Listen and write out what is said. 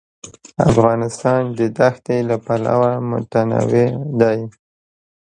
افغانستان د دښتې له پلوه متنوع دی.